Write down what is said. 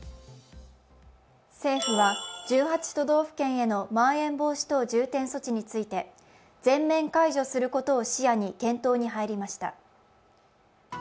政府は１８都道府県へのまん延防止等重点措置について、全面解除することを視野に検討に入りました。